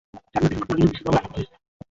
জানাত এসব আপনার জন্য বিশেষভাবে রান্না করেছে।